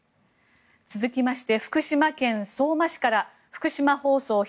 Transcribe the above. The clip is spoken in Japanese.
続きまして福島県相馬市から福島放送